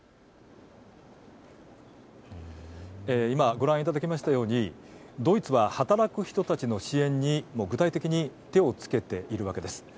ご覧いただきましたようにドイツは働く人たちの支援に具体的に手をつけているわけです。